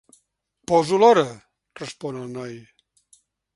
Poso l'hora —respon el noi.